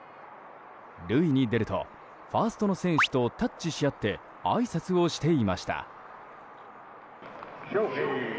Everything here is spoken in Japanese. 塁に出ると、ファーストの選手とタッチし合ってあいさつをしていました。